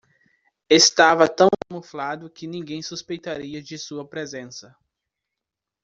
Estava tão camuflado que ninguém suspeitaria de sua presença.